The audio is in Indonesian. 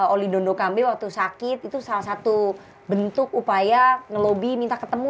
oli dondo kambe waktu sakit itu salah satu bentuk upaya ngelobi minta ketemu